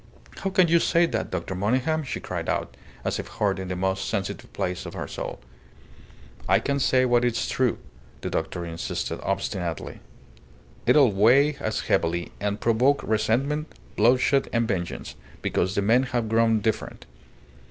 "How can you say that, Dr. Monygham?" she cried out, as if hurt in the most sensitive place of her soul. "I can say what is true," the doctor insisted, obstinately. "It'll weigh as heavily, and provoke resentment, bloodshed, and vengeance, because the men have grown different.